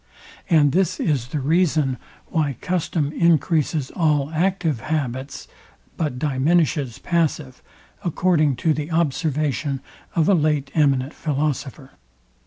And this is the reason why custom encreases all active habits, but diminishes passive, according to the observation of a late eminent philosopher.